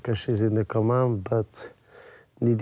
ได้เจอกันน้อย